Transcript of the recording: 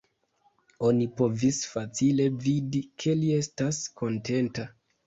Oni povis facile vidi, ke li estas kontenta.